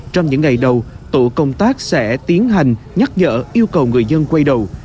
trong những ngày đầu tổ công tác sẽ tiến hành nhắc nhở yêu cầu người dân quay đầu